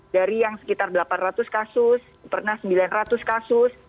dari yang sekitar delapan ratus kasus pernah sembilan ratus kasus